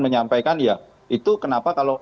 menyampaikan ya itu kenapa kalau